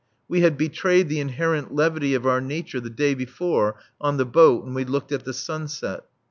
(We had betrayed the inherent levity of our nature the day before, on the boat, when we looked at the sunset.)